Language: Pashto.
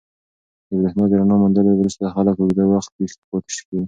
د برېښنا د رڼا موندلو وروسته خلک اوږده وخت ویښ پاتې کېږي.